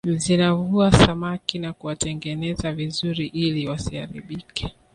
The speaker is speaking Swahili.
Zinavua samaki na kuwatengeneza vizuri ili wasiharibike